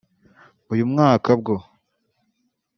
uyu mwaka bwo